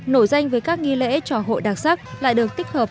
nổi danh với các nghi lễ trò hội đặc sắc lại được tích hợp